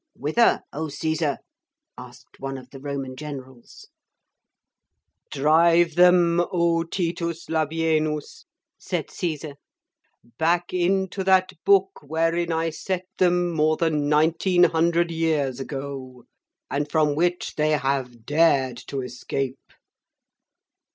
'Whither, O Caesar?' asked one of the Roman generals. 'Drive them, O Titus Labienus,' said Caesar, 'back into that book wherein I set them more than nineteen hundred years ago, and from which they have dared to escape.